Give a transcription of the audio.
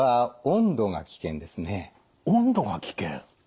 温度が危険？